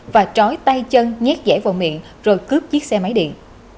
và trói tay chân nhét dẻ vào miệng rồi cướp chiếc xe máy điện